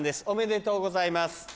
おめでとうございます。